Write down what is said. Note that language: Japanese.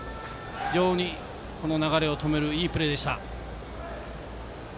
非常にこの流れを止めるいいプレーでした。